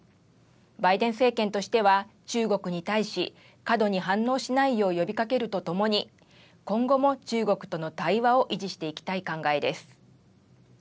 バイデン政権としては中国に対し過度に反応しないよう呼びかけるとともに今後も、中国との対話を維持していきたい考えです。